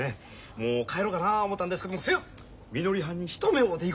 もう帰ろかな思うたんですけどもそやみのりはんにひと目会うて行こ思うて来ました。